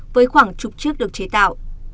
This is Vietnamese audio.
với khoảng chục chiếc được chế tạo